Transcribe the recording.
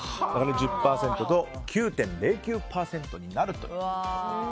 １０％と、９．０９％になると。